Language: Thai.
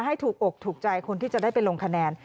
ให้ถูกอกถูกใจคนที่จะได้ไปลงคะแนน